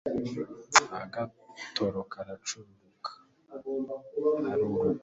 aragororoka aracururuka, aruruka